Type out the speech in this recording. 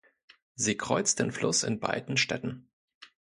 Sie kreuzt den Fluss in beiden Städten.